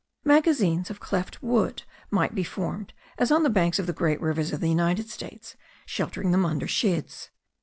Magazines of cleft wood might be formed, as on the banks of the great rivers of the United States, sheltering them under sheds.